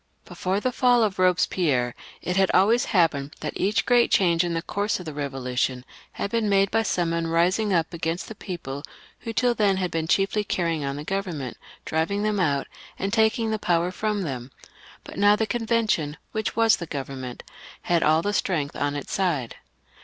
Before the fall of Bobespierre, it had always happened that each great change in the course of the Eevolution had been made by some one rising up against the people who had till then been chiefly canying on the government, driving them out, and taking the power &om them ; but now the Convention, which was the Government, had aU the strength on its side.